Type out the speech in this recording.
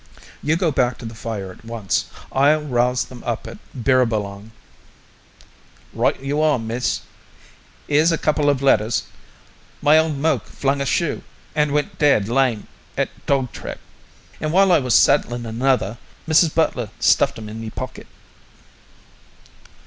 You go back to the fire at once; I'll rouse them up at Birribalong." "Right you are, miss. Here's a couple of letters. My old moke flung a shoe and went dead lame at Dogtrap; an' wile I was saddlun another, Mrs Butler stuffed 'em in me pocket."